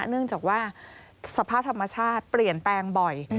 เนื่องจากว่าสภาพธรรมชาติเปลี่ยนแปลงบ่อย